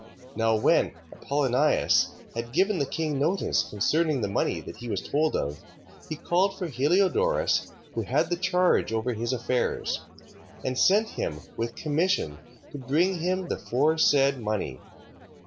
3:7. Now when Apollonius had given the king notice concerning the money that he was told of, he called for Heliodorus, who had the charge over his affairs, and sent him with commission to bring him the foresaid money.